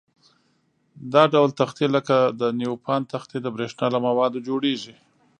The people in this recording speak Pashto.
دا ډول تختې لکه د نیوپان تختې د برېښنا له موادو جوړيږي.